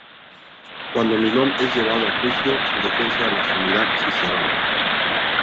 Cuando Milón es llevado a juicio, su defensa la asumirá Cicerón.